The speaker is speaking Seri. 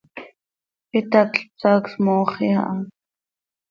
Itacl psaac smooxi aha.